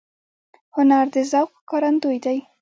هنر د ذوق ښکارندوی دی